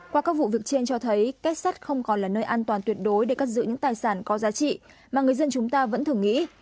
qua các vụ việc trên cho thấy kết sắt không còn là nơi an toàn tuyệt đối để cất giữ những tài sản có giá trị mà người dân chúng ta vẫn thường nghĩ